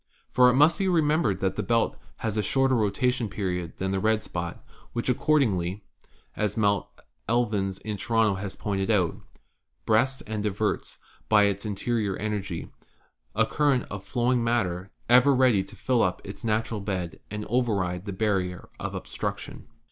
For it must be remembered that the belt has a shorter rotation period! than the red spot, which, accordingly (as Mr. Elvins of Toronto has pointed out), breasts and diverts, by its in terior energy, a current of flowing matter, ever ready to fill up its natural bed and override the barrier of obstruc tion."